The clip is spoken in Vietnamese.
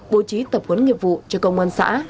bố trí tập quấn nhiệm vụ cho công an xã